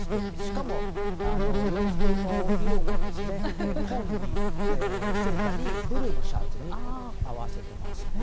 しかも、洋服の色も紺のセーターにブルーのシャツに合わせてますね。